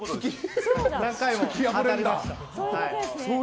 何回も当たりました。